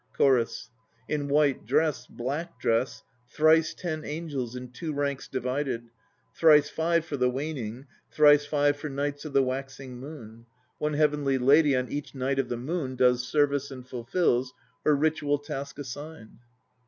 CHORUS. In white dress, black dress, Thrice ten angels In two ranks divided, Thrice five for the waning, Thrice five for nights of the waxing moon, One heavenly lady on each night of the moon Does service and fulfils Her ritual task assigned.